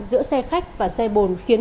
giữa xe khách và xe bồn khiến